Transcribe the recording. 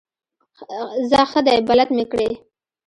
ځه ښه دی بلد مې کړې.